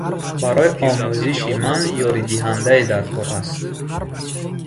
Барои омӯзиши ман ёридиҳандае даркор аст.